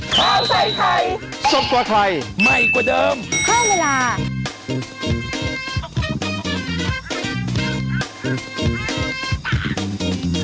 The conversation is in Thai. ข้าวใส่ไทยสดกว่าไทยใหม่กว่าเดิมเพิ่มเวลา